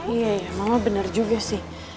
iya iya mama benar juga sih